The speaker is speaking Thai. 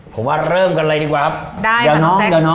ผมว่าเริ่มกันเลยดีกว่าครับ